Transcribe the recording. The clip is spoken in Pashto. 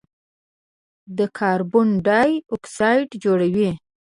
د کاربن ډای اکسایډ جوړوي.